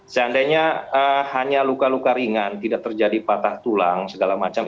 seandainya hanya luka luka ringan tidak terjadi patah tulang segala macam